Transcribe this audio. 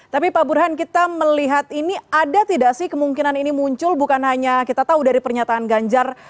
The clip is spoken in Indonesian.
tapi pak burhan kita melihat ini ada tidak sih kemungkinan ini muncul bukan hanya kita tahu dari pernyataan ganjar